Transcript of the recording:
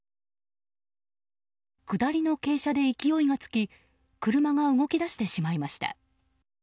下りの傾斜で勢いがつき車が動き出してしまいました。